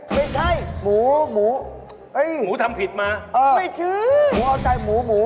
ไม่ใช่หมูหมูเอ้ยหมูทำผิดมาเออไม่ชื่อพอใจหมูหมู